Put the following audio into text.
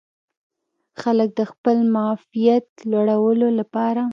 خلکو د خپل معافیت لوړولو لپاره